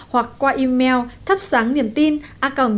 hoặc qua email thapsangniemtina org vn